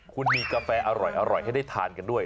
คุณมีกาแฟอร่อยให้ได้ทานกันด้วย